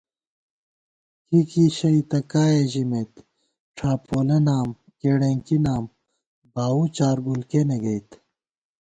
کِیکِی شئی تہ کائےژِمېت، ڄھاپولہ نام، کېڑېنکی نام، باؤو چارگُل کېنےگئیت